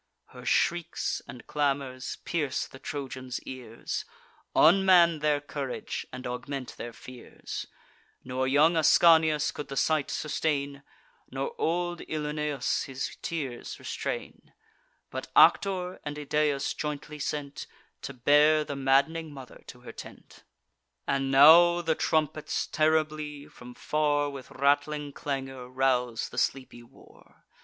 Her shrieks and clamours pierce the Trojans' ears, Unman their courage, and augment their fears; Nor young Ascanius could the sight sustain, Nor old Ilioneus his tears restrain, But Actor and Idaeus jointly sent, To bear the madding mother to her tent. And now the trumpets terribly, from far, With rattling clangour, rouse the sleepy war.